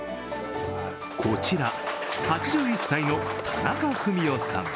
こちら、８１歳の田中文雄さん。